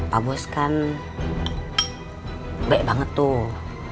pak bos kan baik banget tuh